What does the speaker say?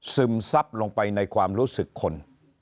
ซึมซับลงไปในความรู้สึกคน